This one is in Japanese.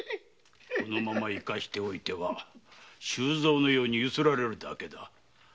このまま生かしておいては周蔵のようにユスられるだけだ。